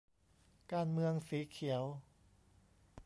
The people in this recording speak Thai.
การเมืองสีเขียว'